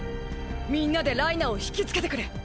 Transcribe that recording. みんなでライナーを引きつけてくれ！！